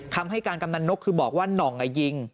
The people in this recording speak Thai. คำให้การกำนันนกคือบอกว่าหน่องยิง